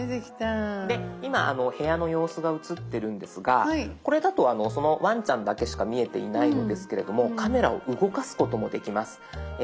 今部屋の様子が映ってるんですがこれだとワンちゃんだけしか見えていないのですがカメラを動かすこともできます。